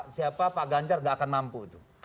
siapa pak ganjar gak akan mampu itu